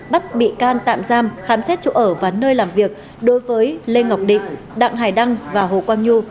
bắt bị can tạm giam khám xét chỗ ở và nơi làm việc đối với lê ngọc định đặng hải đăng và hồ quang nhu